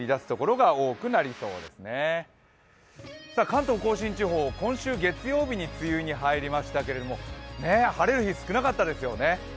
関東甲信地方、今週月曜日に梅雨に入りましたけれども晴れる日、少なかったですよね。